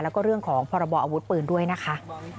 แล้วก็เรื่องของพรบออาวุธปืนด้วยนะคะ